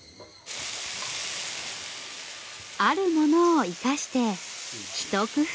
あるものを生かしてひと工夫。